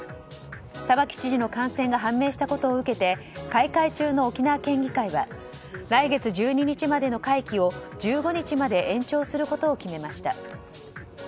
玉城知事の感染が判明したことを受けて開会中の沖縄県議会は来月１２日までの会期を１５日まで延長することを決めました。